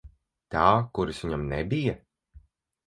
Tā, kuras viņam nebija?